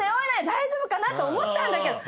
大丈夫かな？と思ったんだけど。